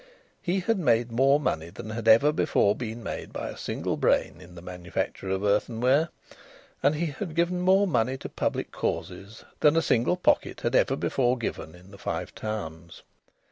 He had made more money than had ever before been made by a single brain in the manufacture of earthenware, and he had given more money to public causes than a single pocket had ever before given in the Five Towns.